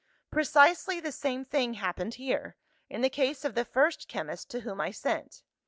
"Precisely the same thing happened here, in the case of the first chemist to whom I sent.